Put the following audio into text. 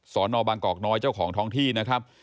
นบางกอกน้อยเจ้าของท้องที่นะครับ